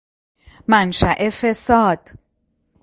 منشاء فساد